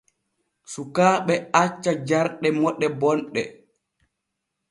Sukaaɓe acca jarɗe moɗe bonɗe.